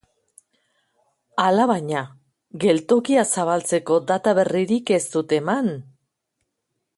Alabaina, geltokia zabaltzeko data berririk ez dute eman.